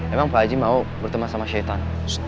emang pak haji mau berteman sama sheetan